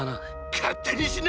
勝手にしな！